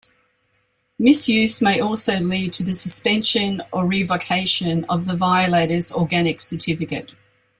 Misuse may also lead to the suspension or revocation of the violator's organic certificate.